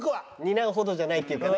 担うほどじゃないっていうかね。